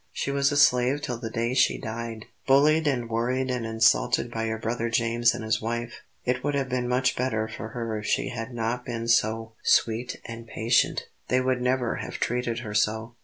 She was a slave till the day she died bullied and worried and insulted by your brother James and his wife. It would have been much better for her if she had not been so sweet and patient; they would never have treated her so.